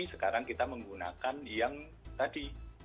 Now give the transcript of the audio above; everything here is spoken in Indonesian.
sekarang kita menggunakan yang tadi